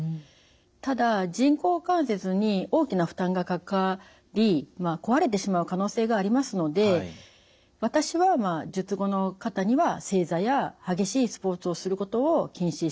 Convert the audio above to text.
ただ人工関節に大きな負担がかかり壊れてしまう可能性がありますので私は術後の方には正座や激しいスポーツをすることを禁止しています。